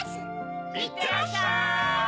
いってらっしゃい！